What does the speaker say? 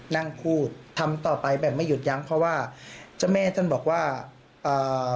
นั่งพูดทำต่อไปแบบไม่หยุดยั้งเพราะว่าเจ้าแม่ท่านบอกว่าอ่า